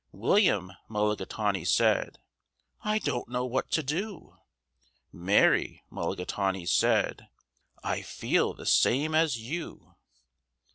William Mulligatawny said, "I don't know what to do." Mary Mulligatawny said, "I feel the same as you."